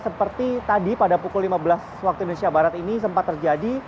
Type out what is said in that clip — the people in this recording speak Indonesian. seperti tadi pada pukul lima belas waktu indonesia barat ini sempat terjadi